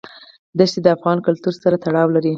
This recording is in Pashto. دښتې د افغان کلتور سره تړاو لري.